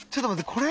これ？